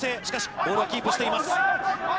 しかし、ボールはキープしています。